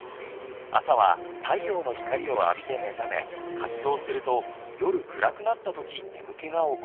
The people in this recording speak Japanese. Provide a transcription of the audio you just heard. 朝は太陽の光を浴びて目覚め活動すると夜暗くなった時眠気が起こります。